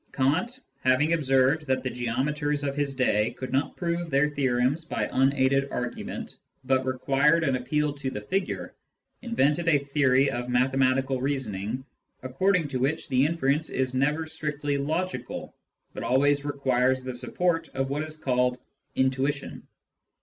^. Kant, having observed that the geometers of his day could not prove their theorems by unaided argument, but required an appeal to the figure, invented a theory of mathematical reasoning according to which the inference is never strictly logical, but always requires the support of what is called " intuition."